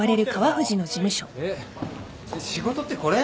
えっ仕事ってこれ？